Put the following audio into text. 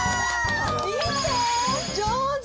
見て上手！